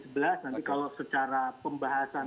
nanti kalau secara pembahasan